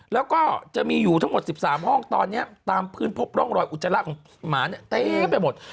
แล้วก็จะมีอยู่ทั้งหมด๑๓ห้องตอนนี้ตามพื้นพบร่องรอยอุจจาระของหมาเนี่ยเต็มไปหมด